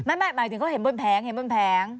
ไม่หมายถึงเขาเห็นบนแผง